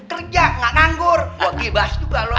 kerja nggak nganggur gua tiba tiba juga loh